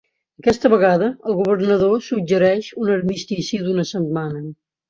Aquesta vegada, el governador suggereix un armistici d'una setmana.